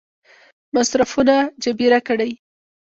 مصرفونه جبیره کړي.